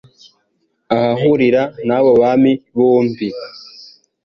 ahahurira n'abo bami bombi